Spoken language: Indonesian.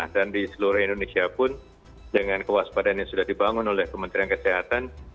dan di seluruh indonesia pun dengan kewaspadaan yang sudah dibangun oleh kementerian kesehatan